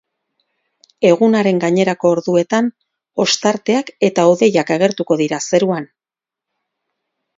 Egunaren gainerako orduetan, ostarteak eta hodeiak agertuko dira zeruan.